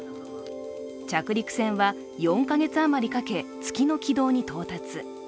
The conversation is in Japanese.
着陸船は４か月余りかけ、月の軌道に到達。